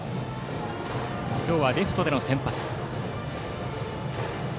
今日はレフトでの先発。